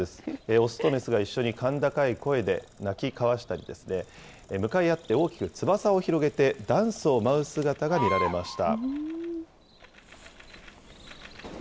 雄と雌が一緒に甲高い声で鳴き交わしたり、向かい合って大きく翼を広げて、ダンスを舞う姿が見られました。